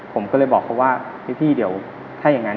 ผมก็เลยบอกเขาว่าพี่เดี๋ยวถ้าอย่างนั้น